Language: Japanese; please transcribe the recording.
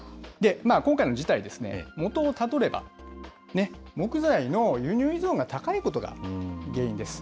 今回の事態ですね、もとをたどれば、木材の輸入依存が高いことが原因です。